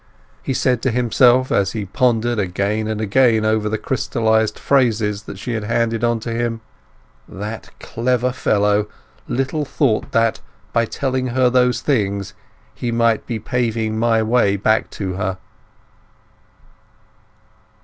He said to himself, as he pondered again and again over the crystallized phrases that she had handed on to him, "That clever fellow little thought that, by telling her those things, he might be paving my way back to her!"